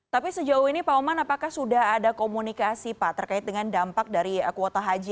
tapi sejauh ini pak oman apakah sudah ada komunikasi pak terkait dengan dampak dari kuota haji